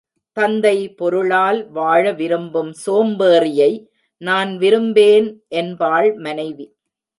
தந்தை பொருளால் வாழ விரும்பும் சோம்பேறியை நான் விரும்பேன் என்பாள் மனைவி.